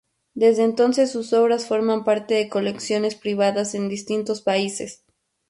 Desde entonces sus obras forman parte de colecciones privadas en distintos países.